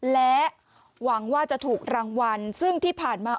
และหวังว่าจะถูกรางวัลซึ่งที่ผ่านมา